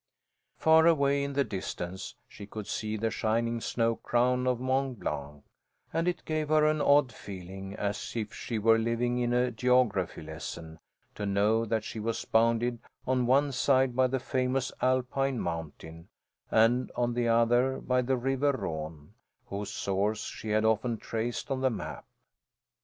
Far away in the distance she could see the shining snow crown of Mont Blanc, and it gave her an odd feeling, as if she were living in a geography lesson, to know that she was bounded on one side by the famous Alpine mountain, and on the other by the River Rhône, whose source she had often traced on the map.